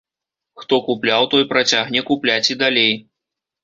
Хто купляў, той працягне купляць і далей.